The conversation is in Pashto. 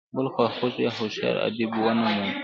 بل خواخوږی او هوښیار ادیب ونه موند.